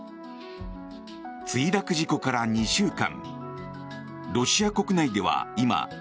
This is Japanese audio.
墜落事故から２週間。